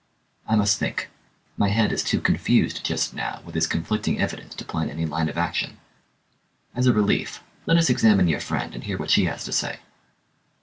"I must think. My head is too confused just now with this conflicting evidence to plan any line of action. As a relief, let us examine your friend and hear what she has to say."